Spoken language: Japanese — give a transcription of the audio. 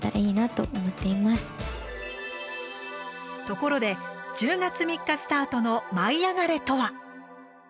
ところで１０月３日スタートの「舞いあがれ！」とは？